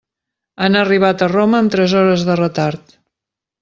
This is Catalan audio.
Han arribat a Roma amb tres hores de retard.